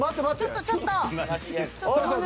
ちょっとちょっと。